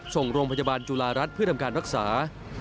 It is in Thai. ส่งโรงพยาบาลจุฬารัฐเพื่อทำการรักษา